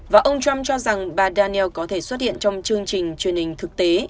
và ông trump cho rằng bà dannel có thể xuất hiện trong chương trình truyền hình thực tế